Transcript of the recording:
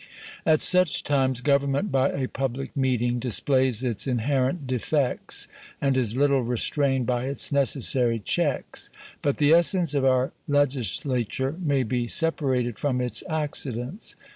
At such times government by a public meeting displays its inherent defects, and is little restrained by its necessary checks. But the essence of our legislature may be separated from its accidents.